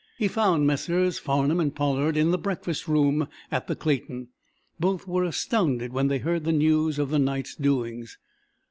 He found Messrs. Farnum and Pollard in the breakfast room at the Clayton. Both were astounded when they heard the news of the night's doings.